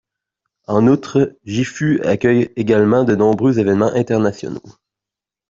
En outre, Gifu accueille également de nombreux événements internationaux.